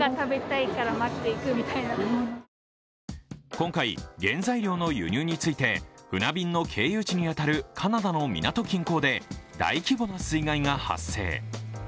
今回、原材料の輸入について船便の経由地に当たるカナダの港近郊で大規模な水害が発生。